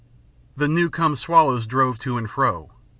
The new come swallows drove to and fro.